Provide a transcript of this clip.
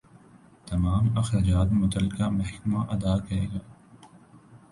تمام اخراجات متعلقہ محکمہ ادا کرے گا۔